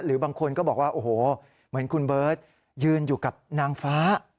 บางคนก็บอกว่าโอ้โหเหมือนคุณเบิร์ตยืนอยู่กับนางฟ้า